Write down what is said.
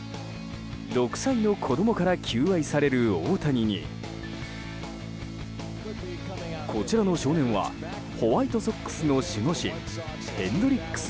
６歳の子供から求愛される大谷にこちらの少年はホワイトソックスの守護神ヘンドリックス